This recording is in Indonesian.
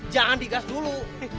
jangan digas dulu